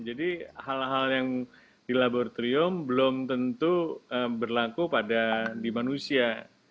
jadi hal hal yang di laboratorium belum tentu berlaku pada di manusia